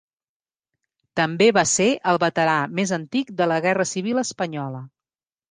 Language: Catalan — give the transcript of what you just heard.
També va ser el veterà més antic de la Guerra Civil espanyola.